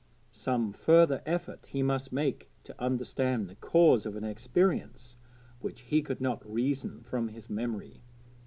Some further effort he must make to understand the cause of an experience which he could not reason from his memory.